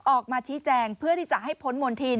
ออกมาชี้แจงเพื่อที่จะให้พ้นมณฑิน